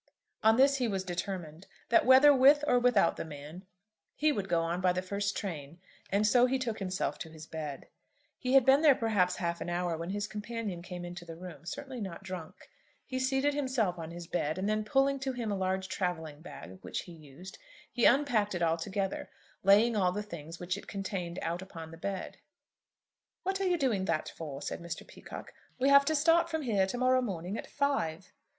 On this he was determined, that whether with or without the man, he would go on by the first train; and so he took himself to his bed. He had been there perhaps half an hour when his companion came into the room, certainly not drunk. He seated himself on his bed, and then, pulling to him a large travelling bag which he used, he unpacked it altogether, laying all the things which it contained out upon the bed. "What are you doing that for?" said Mr. Peacocke; "we have to start from here to morrow morning at five."